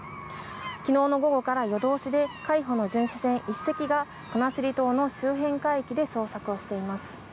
昨日の午後から夜通しで海保の巡視船１隻が国後島の周辺海域で捜索をしています。